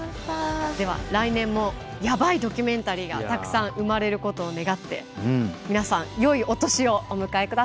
では来年も“ヤバい”ドキュメンタリーがたくさん生まれることを願って皆さんよいお年をお過ごしください。